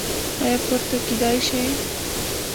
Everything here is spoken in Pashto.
ایا پورته کیدی شئ؟